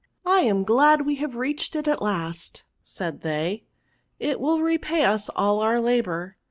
^ I am glad we have reached it at last,* said they, * it wiU repay us all oux labour.'